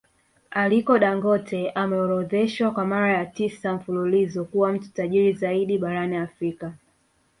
Aliko Dangote ameorodheshwa kwa mara ya tisa mfululizo kuwa mtu tajiri zaidi barani Afrika